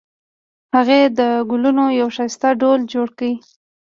هغې د ګلونو یوه ښایسته ډوله جوړه کړې